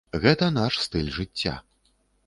Гэта наш стыль жыцця.